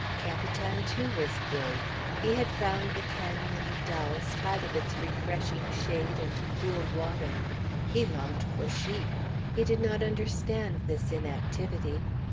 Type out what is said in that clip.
Capitan, too, was gay. He had found the canon dull, spite of its refreshing shade and cool water. He longed for sheep. He did not understand this inactivity.